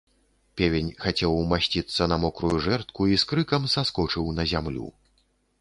Певень хацеў умасціцца на мокрую жэрдку і з крыкам саскочыў на зямлю.